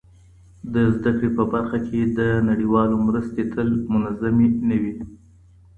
د زده کړي په برخه کي د نړیوالو مرستې تل منظمې نه وي.